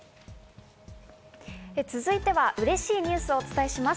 続いては、うれしいニュースをお伝えします。